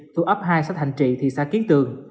thuộc ấp hai xã thành trị thị xã kiến tường